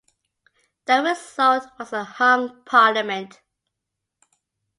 The result was a hung parliament.